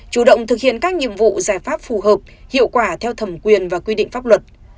chủ động thực hiện các nhiệm vụ giải pháp phù hợp hiệu quả theo thẩm quyền và quy định pháp luật